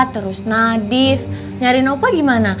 terus nadif nyariin opa gimana